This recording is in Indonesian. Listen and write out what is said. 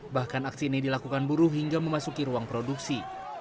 bahkan aksi ini dilakukan buruh hingga memasuki ruang produksi